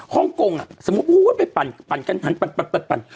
ฮ่องกงอะสมมุติว่าไปปั่น